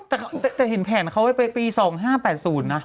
แต่เห็นแผนเขาไว้ไปปี๒๕๘๐นะ